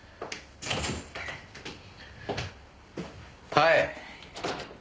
はい。